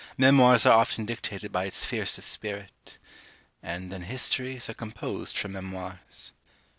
Memoirs are often dictated by its fiercest spirit; and then histories are composed from memoirs.